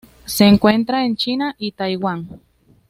Se encuentra en China y Taiwán.